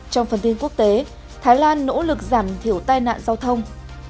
trong phần tin quốc tế thái lan nỗ lực giảm thiểu tai nạn giao thông